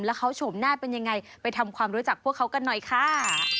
แล้วเขาโฉมหน้าเป็นยังไงไปทำความรู้จักพวกเขากันหน่อยค่ะ